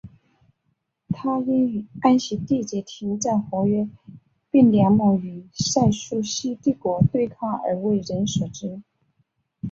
他因与安息缔结停战和约并联盟与塞琉西帝国对抗而为人所知。